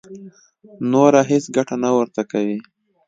نوره هېڅ ګټه نه ورته کوي.